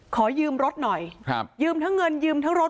ขอยืมรถหน่อยครับยืมทั้งเงินยืมทั้งรถ